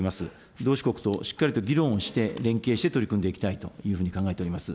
同志国としっかりと連携して取り組んでいきたいというふうに考えております。